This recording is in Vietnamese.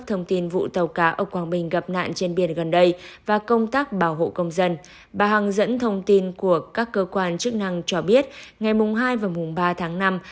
hàng dẫn thông tin của các cơ quan chức năng cho biết ngày hai và ba tháng năm